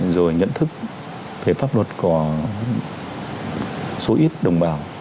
rồi nhận thức về pháp luật của số ít đồng bào